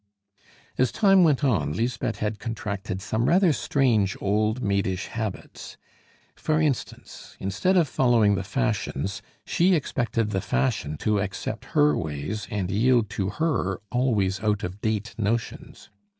As time went on, Lisbeth had contracted some rather strange old maidish habits. For instance, instead of following the fashions, she expected the fashion to accept her ways and yield to her always out of date notions.